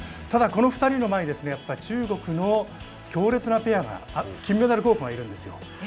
ただこの２人の前に、やっぱ中国の強烈なペアが、金メダル候補がいるんですよ。